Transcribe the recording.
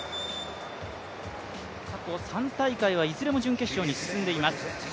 過去３大会はいずれも準決勝に進んでいます。